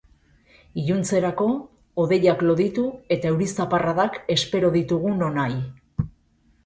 Iluntzerako, hodeiak loditu eta euri zaparradak espero ditugu nonahi.